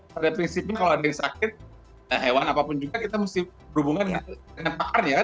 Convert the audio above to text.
pada prinsipnya kalau ada yang sakit hewan apapun juga kita mesti berhubungan dengan pakarnya kan